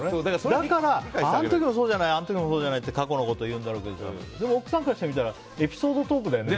だからあの時もそうじゃないって過去のことを言うんだろうけどでも、奥さんからしてみたらエピソードトークだよね。